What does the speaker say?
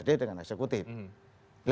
prd dengan eksekutif